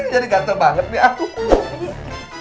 jadi gatel banget nih aku